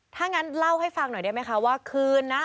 ถ้างั้นเล่าให้ฟังหน่อยได้ไหมคะว่าคืนนะ